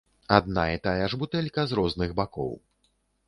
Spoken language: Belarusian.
Адна і тая ж бутэлька з розных бакоў.